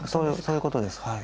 そういうことですはい。